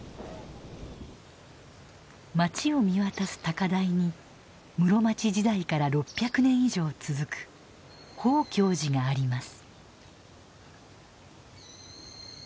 町を見渡す高台に室町時代から６００年以上続く宝鏡寺があります。